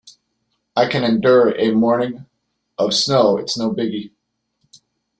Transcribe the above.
I can endure a morning of snow, it's no biggie.